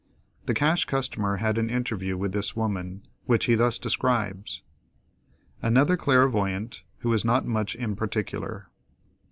The Cash Customer had an interview with this woman, which he thus describes: Another Clairvoyant, who is not much in particular.